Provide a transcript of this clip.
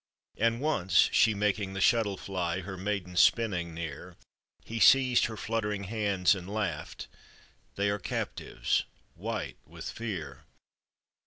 And once, she making the shuttle fly, Her maidens spinning near, 444 APPENDIX. He seized her fluttering hands, and laughed: " They are captives, white with fear."